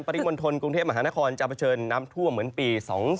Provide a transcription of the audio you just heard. ริมณฑลกรุงเทพมหานครจะเผชิญน้ำท่วมเหมือนปี๒๔